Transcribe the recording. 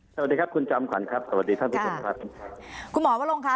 สวัสดีครับคุณจอมขวัญครับสวัสดีท่านผู้ชมครับคุณหมอวรงค่ะ